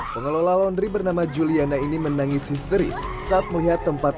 pengelola laundry bernama juliana ini menangis histeris saat melihat tempat